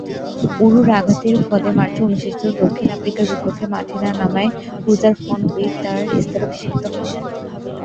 উরুর আঘাতের ফলে মার্চে অনুষ্ঠিত দক্ষিণ আফ্রিকার বিপক্ষে মাঠে না নামায় ক্রুজার ফন উইক তার স্থলাভিষিক্ত হন।